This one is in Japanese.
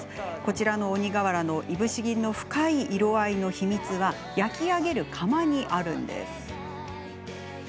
こちらの鬼がわらのいぶし銀の深い色合いの秘密は焼き上げる窯にあるんです。